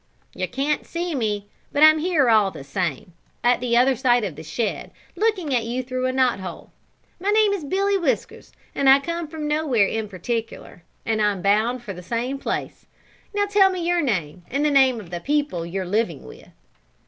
"You can't see me, but I am here all the same, at the other side of the shed, looking at you through the knot hole. My name is Billy Whiskers and I come from nowhere in particular and I am bound for the same place. Now, tell me your name and the name of the people you are living with."